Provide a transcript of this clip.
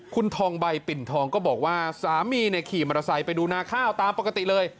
คุณทองใบปิ่นทองก็บอกว่าสามีขี่มอเตอร์ไซค์ไปดูนาข้าวตามปกติเลย